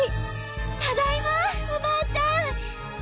ただいまおばあちゃん！